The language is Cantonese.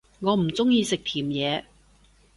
我唔鍾意食甜野